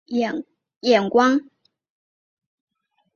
透过策展人的独到眼光